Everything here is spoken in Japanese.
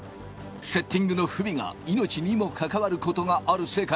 セッティングの不備が命にも関わることがある世界。